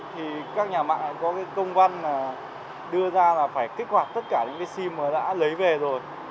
thì các nhà mạng có công văn đưa ra là phải kích hoạt tất cả những sim mà đã lấy về rồi